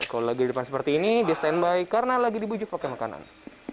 kalau lagi di depan seperti ini dia standby karena lagi dibujuk pakai makanan